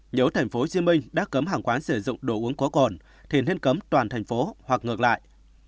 nếu thành phố hồ chí minh đã cấm hàng quán sử dụng đồ uống có cồn thì nên cấm toàn thành phố hoặc ngược lại